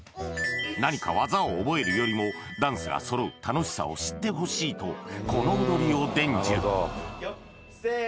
何か技を覚えるよりもダンスが揃う楽しさを知ってほしいとこの踊りを伝授いくよ